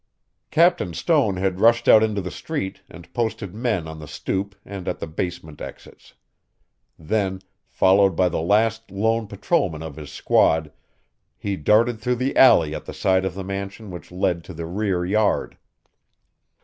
Captain Stone had rushed out into the street and posted men on the stoop and at the basement exits; then, followed by the last lone patrolman of his squad, he darted through the alley at the side of the mansion which led to the rear yard.